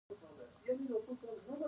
که غوسه کنټرول شي، نو پښیماني به نه وي.